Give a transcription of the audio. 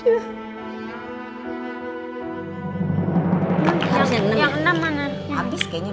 yang enam enam mangan yang